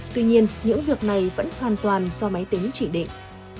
tuy nhiên những việc này vẫn hoàn toàn do máy tính chỉ định